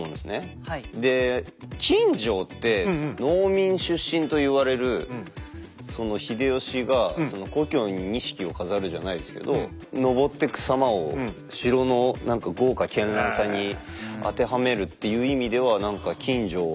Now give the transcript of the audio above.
で錦城って農民出身と言われる秀吉が故郷に錦を飾るじゃないですけど上ってく様を城の何か豪華絢爛さに当てはめるっていう意味では何か錦城は。